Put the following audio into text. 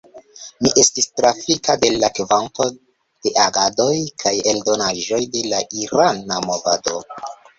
Mi estis trafita de la kvanto de agadoj kaj eldonaĵoj de la irana movado.